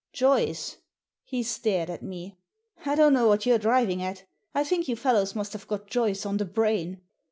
* Joyce." He stared at me. " I don't know what you're driving at I think you fellows must have got Joyce on the brain."